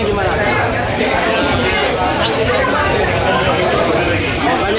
banyak pembeli perempuan yang ini